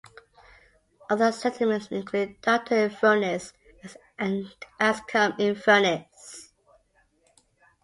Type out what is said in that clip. Other settlements include Dalton-in-Furness and Askam-in-Furness.